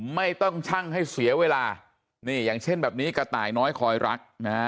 ไม่ต้องชั่งให้เสียเวลานี่อย่างเช่นแบบนี้กระต่ายน้อยคอยรักนะฮะ